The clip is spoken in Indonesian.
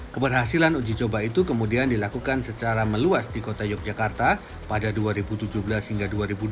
keberhasilan uji coba itu kemudian dilakukan secara meluas di kota yogyakarta pada dua ribu tujuh belas hingga dua ribu dua puluh